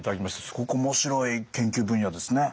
すごく面白い研究分野ですね。